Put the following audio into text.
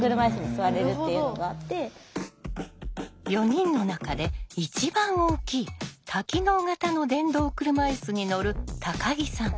４人の中で一番大きい多機能型の電動車いすに乗る木さん。